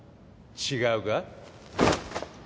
違うか？